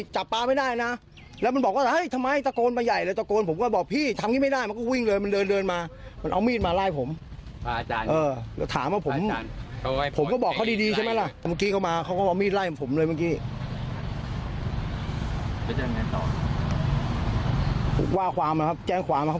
ว่าความนะครับแจ้งความนะครับผมก็จะแจ้งความนะครับ